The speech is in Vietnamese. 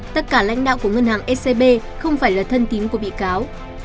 tất cả lãnh đạo của ngân hàng scb không phải là thân tín của bị cáo